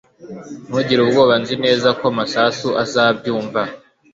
Ntugire ubwoba Nzi neza ko Masasu azabyumva